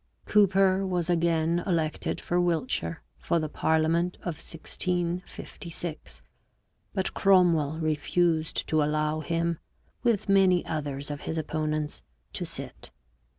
Cooper was again elected for Wiltshire for the parliament of 1656, but Cromwell refused to allow him, with many others of his opponents, to sit.